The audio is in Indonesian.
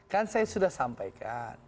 kan saya sudah sampaikan